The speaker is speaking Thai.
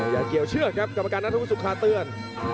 อย่าเกี่ยวเชือกครับกรรมการนัทธวุสุขาเตือน